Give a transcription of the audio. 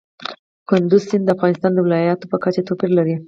کندز سیند د افغانستان د ولایاتو په کچه توپیر لري.